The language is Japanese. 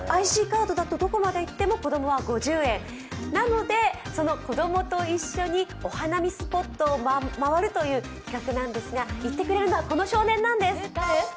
ＩＣカードだとどこまで行っても子供は５０円、その子供と一緒にお花見スポットを回るという企画なんですが、行ってくれるのはこの少年なんです。